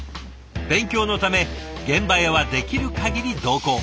勉強のため現場へはできるかぎり同行。